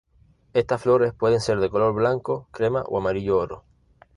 Estas flores pueden ser de color blanco, crema o amarillo oro.